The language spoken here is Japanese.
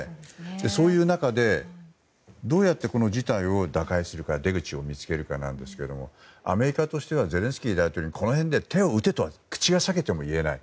そういう中で、どうやってこの事態を打開するか出口を見つけるかなんですがアメリカとしてはゼレンスキー大統領にこの辺で手を打てと口が裂けても言えない。